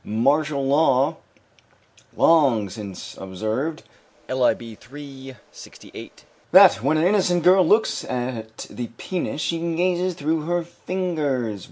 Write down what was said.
Martial long since observed (Lib. iii, LXVIII) that when an innocent girl looks at the penis she gazes through her fingers.